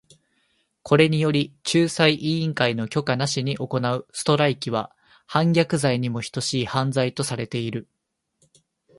これにより、仲裁委員会の許可なしに行うストライキは反逆罪にも等しい犯罪とされている。